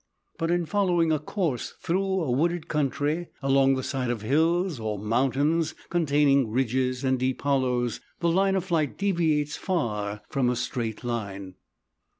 But in following a course through a wooded country, along the side of hills or mountains containing ridges and deep hollows, the line of flight deviates far from a straight line.